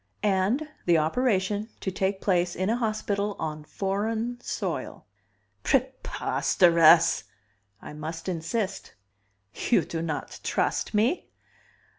"And the operation to take place in a hospital on foreign soil." "Preposterous." "I must insist." "You do not trust me?"